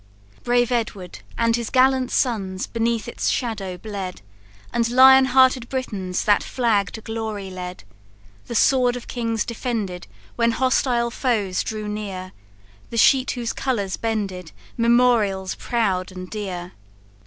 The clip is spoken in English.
"Brave Edward and his gallant sons Beneath its shadow bled; And lion hearted Britons That flag to glory led. The sword of kings defended, When hostile foes drew near; The sheet whose colours bended Memorials proud and dear!